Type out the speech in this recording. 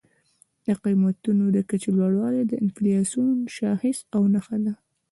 د قیمتونو د کچې لوړوالی د انفلاسیون یو شاخص او نښه ده.